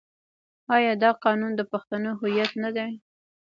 آیا دا قانون د پښتنو هویت نه دی؟